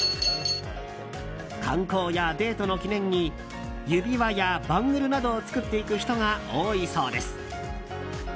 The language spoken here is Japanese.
観光やデートの記念に指輪やバングルなどを作っていく人が多いそうです。